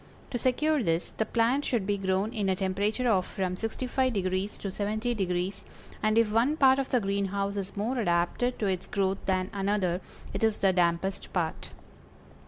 To secure this, the plant should be grown in a temperature of from 65° to 70°, and if one part of the greenhouse is more adapted to its growth than another, it is the dampest part.